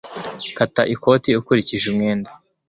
Kata ikoti ukurikije umwenda